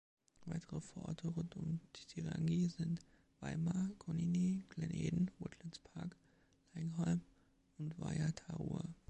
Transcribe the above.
Weitere Vororte rund um Titirangi sind Waima, Konini, Glen Eden, Woodlands Park, Laingholm und Waiatarua.